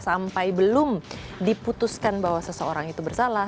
sampai belum diputuskan bahwa seseorang itu bersalah